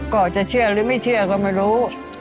ก็จะเชื่อหรือไม่เชื่อก็ไม่รู้